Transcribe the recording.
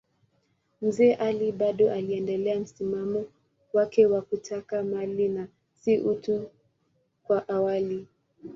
Mzee Ali bado aliendelea msimamo wake wa kutaka mali na si utu kama awali.